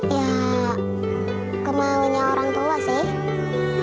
ya kemaunya orang tua sih